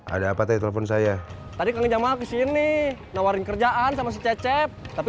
ada apa telepon saya tadi kejam malam sini nawarin kerjaan sama si cecep tapi